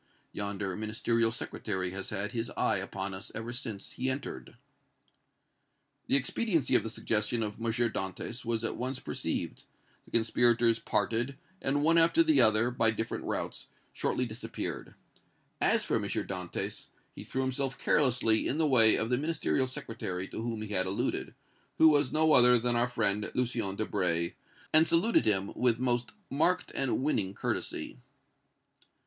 Yonder Ministerial Secretary has had his eye upon us ever since he entered." The expediency of the suggestion of M. Dantès was at once perceived; the conspirators parted and one after the other, by different routes, shortly disappeared. As for M. Dantès, he threw himself carelessly in the way of the Ministerial Secretary to whom he had alluded, who was no other than our friend Lucien Debray, and saluted him with most marked and winning courtesy.